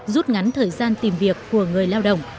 rút ngắn thời gian tìm việc của người lao động